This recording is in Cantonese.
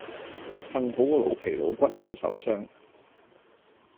幸好我老皮老骨沒受傷